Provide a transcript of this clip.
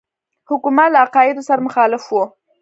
حکومت له عقایدو سره مخالف وو.